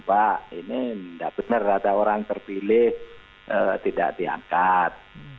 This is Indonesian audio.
pak ini tidak benar ada orang terpilih tidak diangkat